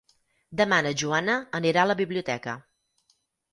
Demà na Joana anirà a la biblioteca.